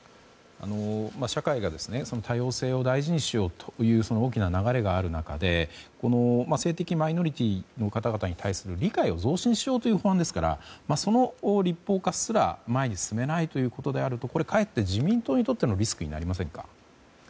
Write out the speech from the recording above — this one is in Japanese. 社会が多様性を大事にしようという流れが大きくある中で性的マイノリティーの方々に対する理解を増進しようという法案ですからその立法化すら前に進めないということであるとかえって自民党にとってのリスクになりませんか？